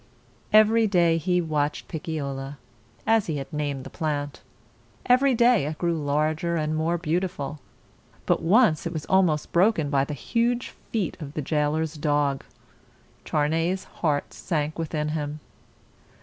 Every day he watched Pic cio la, as he had named the plant. Every day it grew larger and more beautiful. But once it was almost broken by the huge feet of the jailer's dog. Charney's heart sank within him.